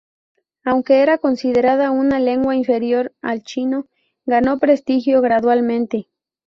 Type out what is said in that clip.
Aunque era considerada una lengua inferior al chino, ganó prestigio gradualmente.